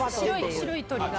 白い鳥が。